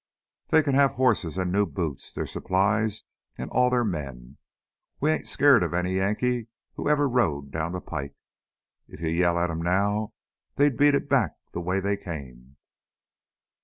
They can have horses and new boots, their supplies, and all their men. We ain't scared of any Yankee who ever rode down the pike! If you yell at 'em now, they'd beat it back the way they came."